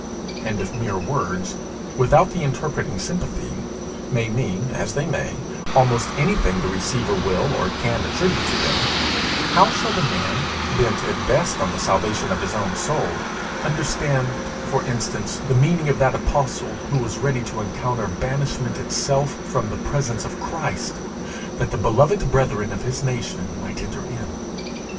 And if mere words, without the interpreting sympathy, may mean, as they may, almost anything the receiver will or can attribute to them, how shall the man, bent at best on the salvation of his own soul, understand, for instance, the meaning of that apostle who was ready to encounter banishment itself from the presence of Christ, that the beloved brethren of his nation might enter in?